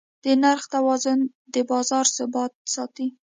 د نرخ توازن د بازار ثبات ساتي.